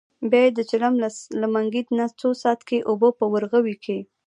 بیا یې د چلم له منګي نه څو څاڅکي اوبه په ورغوي کې.